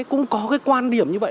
cũng có cái quan điểm như vậy